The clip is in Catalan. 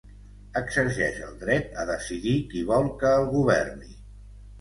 Exerceix el dret a decidir qui vol que el governi.